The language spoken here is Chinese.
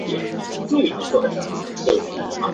棕竹为棕榈科棕竹属下的一个种。